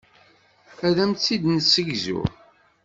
Ad am-tt-id-nessegzu.